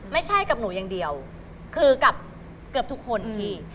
ไม่ใช่กับหนูอย่างเดียวคือกับเกือบทุกคนพี่